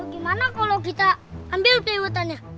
gimana kalau kita ambil perliwutannya